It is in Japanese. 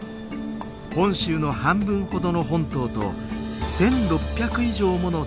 本州の半分ほどの本島と１，６００以上もの